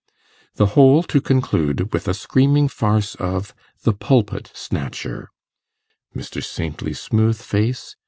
_' The whole to conclude with a Screaming Farce of THE PULPIT SNATCHER Mr. Saintly Smooth face